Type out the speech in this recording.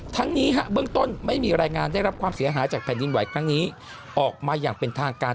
ทั้งนี้เบื้องต้นไม่มีรายงานได้รับความเสียหายจากแผ่นดินไหวครั้งนี้ออกมาอย่างเป็นทางการ